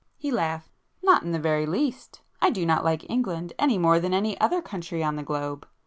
He laughed. "Not in the very least! I do not like England any more than any other country on the globe.